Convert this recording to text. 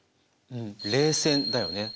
うん冷戦だよね。